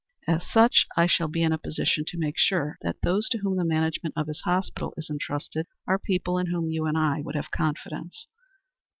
As such I shall be in a position to make sure that those to whom the management of his hospital is intrusted are people in whom you and I would have confidence."